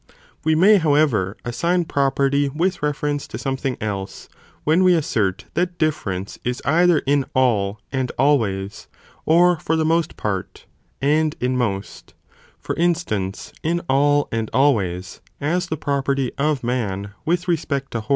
We may however assign property with refer ence to something else, when we assert that dif ference is either in all and always, or for the most part, and in most, for instance, in all and always, as the property of man with respect to horse is δ.